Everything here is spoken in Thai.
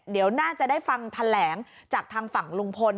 เดี๋ยวน่าจะได้ฟังแถลงจากทางฝั่งลุงพล